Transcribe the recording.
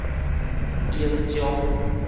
英石